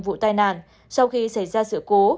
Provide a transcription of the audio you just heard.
vụ tai nạn sau khi xảy ra sự cố